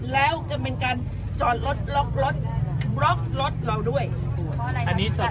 แล้วก็เป็นการจอดรถล็อกรถล็อกรถเราด้วยอันนี้จอด